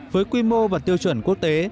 với quy mô và tiêu chuẩn quốc tế